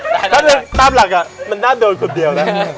ถ้าเกิดตามหลักมันน่าโดนคนเดียวนะ